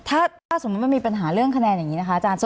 ถ้าสมมุติมันมีปัญหาเรื่องคะแนนอย่างนี้นะคะอาจารย์